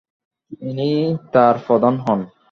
তিনি তার প্রধান হন।